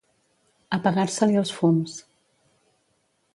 Apagar-se-li els fums.